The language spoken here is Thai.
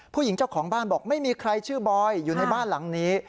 ผู้หญิงเจ้าของบ้านบอกไม่มีใครชื่อบอยอยู่ในบ้านหลังนี้